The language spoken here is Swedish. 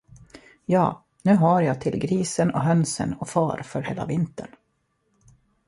Ja, nu har jag till grisen och hönsen och far för hela vintern.